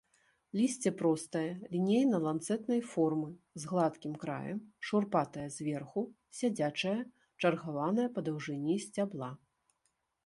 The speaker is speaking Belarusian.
Лісце простае, лінейна-ланцэтнай формы, з гладкім краем, шурпатае зверху, сядзячае, чаргаванае па даўжыні сцябла.